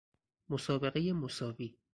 مسابقه مساوی